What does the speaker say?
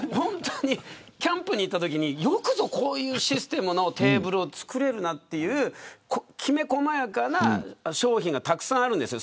キャンプに行ったときによくぞ、こういうシステムのテーブルを作れるなというきめ細やかな商品がたくさんあるんです。